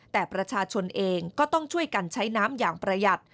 แต่ประชาชนเองก็ต้องช่วยกันใช้น้ำอย่างประหยัด